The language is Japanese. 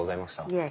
いえ。